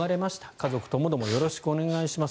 家族ともどもよろしくお願いします。